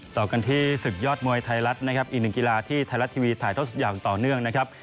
ต่อกันที่ศึกยอดมวยไทยรัฐนะครับอีกหนึ่งกีฬาที่ไทยรัฐทีวีถ่ายทอดสดอย่างต่อเนื่องนะครับ